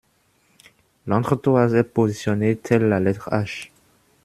L'entretoise est positionnée telle la lettre H.